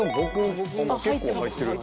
結構入ってる。